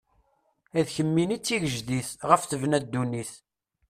D kemmini i d tigejdit, ɣef tebna ddunit.